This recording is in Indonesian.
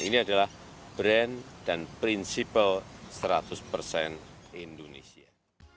ini adalah brand dan prinsipal seratus persen indonesia